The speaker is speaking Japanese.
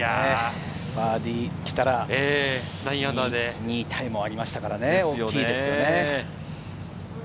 バーディー来たら、−９で２位タイもありましたから、大きいですよね。